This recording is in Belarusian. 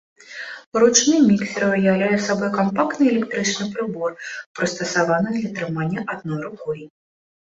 Ручны міксер уяўляе сабой кампактны электрычны прыбор, прыстасаваны для трымання адной рукой.